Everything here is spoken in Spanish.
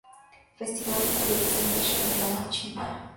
Festival de Televisión de Shanghai, China.